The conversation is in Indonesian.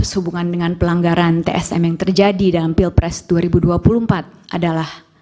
sehubungan dengan pelanggaran tsm yang terjadi dalam pilpres dua ribu dua puluh empat adalah